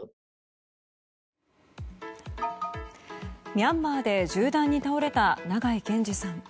ミャンマーで銃弾に倒れた長井健司さん。